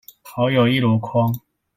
好友一籮筐